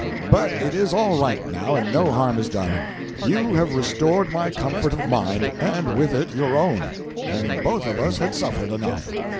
But it is all right now, and no harm is done. You have restored my comfort of mind, and with it your own; and both of us had suffered enough."